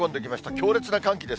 強烈な寒気です。